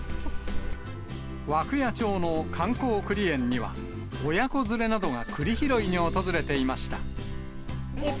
涌谷町の観光くり園には、親子連れなどがくり拾いに訪れていました。